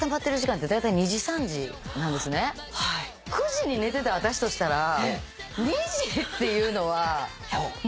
９時に寝てた私としたら２時っていうのはもう眠た過ぎるし。